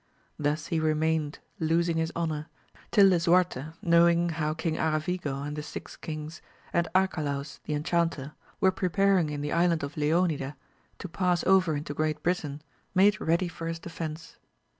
Thus he remained losing his honour, till Lisuarte knowing how King Aravigo, and the six kings, and Arcalaus the enchanter, were preparing in the island of Leonida to pass over into Great Britain, made ready for his defence.